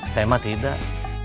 saya mah tidak